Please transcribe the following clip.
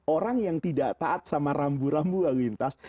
orang yang tidak taat sama rambu rambu lalu lintas